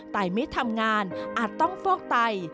แต่ไม่ทำงานอาจต้องโฟกไต